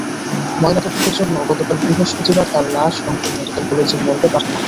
ময়নাতদন্তের জন্য গতকাল বৃহস্পতিবার তাঁর লাশ রংপুর মেডিকেল কলেজের মর্গে পাঠানো হয়।